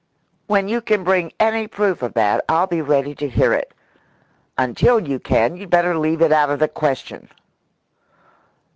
"When you can bring any proof of that, I'll be ready to hear it. Until you can, you'd better leave it out of the question."